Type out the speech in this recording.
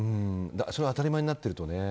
それが当たり前になってるとね。